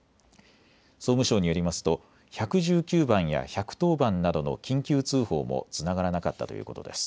総務省によりますと１１９番や１１０番などの緊急通報もつながらなかったということです。